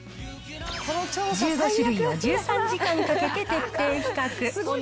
１５種類を１３時間かけて徹底比較。